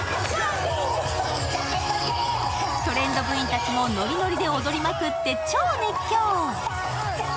トレンド部員たちもノリノリで踊りまくって、超熱狂。